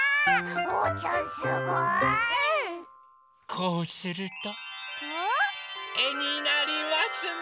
こうするとえになりますね。